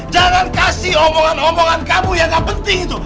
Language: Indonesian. jangan kasih omongan omongan kamu yang gak penting itu